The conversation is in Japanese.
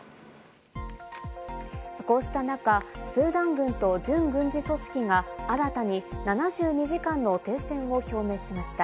こうした中、スーダン軍と準軍事組織が新たに７２時間の停戦を表明しました。